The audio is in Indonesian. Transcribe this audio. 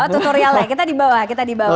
tutorialnya kita di bawah kita di bawah